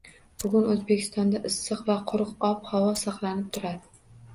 Bugun O‘zbekistonda issiq va quruq ob-havo saqlanib turadi